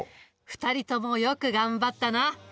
２人ともよく頑張ったな。